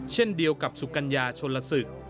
เช่นเดียวกับสุกัญญาชนลศึก